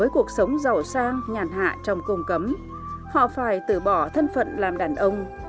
cùng cấm họ phải tử bỏ thân phận làm đàn ông